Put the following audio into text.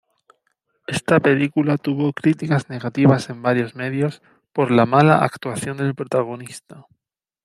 Esta película tuvo críticas negativas en varios medios por la mala actuación del protagonista.